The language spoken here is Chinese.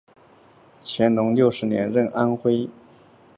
乾隆六十年任安徽池州营都司。